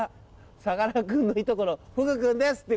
さかなクンのいとこのフグくんです。